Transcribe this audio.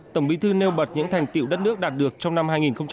tổng bí thư nêu bật những thành tiệu đất nước đạt được trong năm hai nghìn một mươi tám